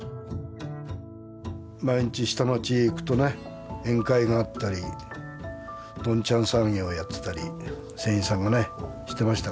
毎日下町へ行くとね宴会があったりどんちゃん騒ぎをやってたり船員さんがねしてましたから。